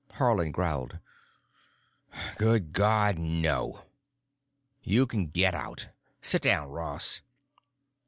Haarland growled: "Good God, no. You can get out. Sit down, Ross."